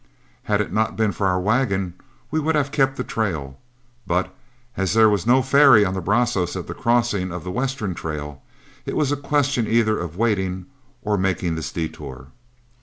Had it not been for our wagon, we would have kept the trail, but as there was no ferry on the Brazos at the crossing of the western trail, it was a question either of waiting or of making this detour.